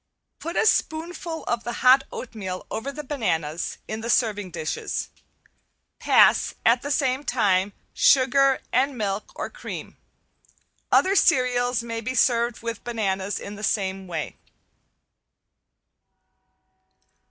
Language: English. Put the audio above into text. Put a spoonful of the hot oatmeal over the bananas in the serving dishes. Pass at the same time sugar and milk or cream. Other cereals may be served with bananas in the same way.